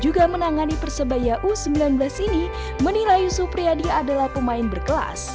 juga menangani persebaya u sembilan belas ini menilai supriyadi adalah pemain berkelas